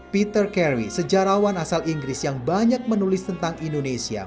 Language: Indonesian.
peter carry sejarawan asal inggris yang banyak menulis tentang indonesia